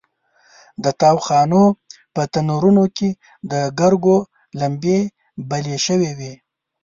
د تاوخانو په تنورونو کې د ګرګو لمبې بلې شوې وې.